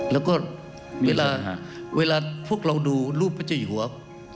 แล้วก็เวลาเวลาพวกเราดูรูปพระเจ้าอยู่หัว